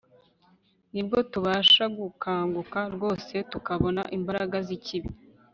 nibwo tubasha gukanguka rwose tukabona imbaraga z'ikibi